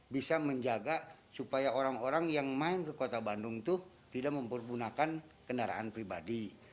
bisa menjaga supaya orang orang yang main ke kota bandung itu tidak mempergunakan kendaraan pribadi